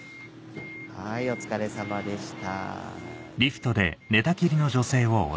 はいお疲れさまでした。